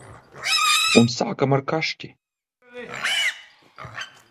Un sākam ar kašķi.